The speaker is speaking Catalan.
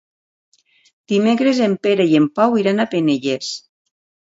Dimecres en Pere i en Pau iran a Penelles.